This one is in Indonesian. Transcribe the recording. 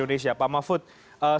pemerintah yang terkenal